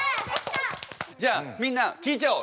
じゃあみんな聞いちゃおう。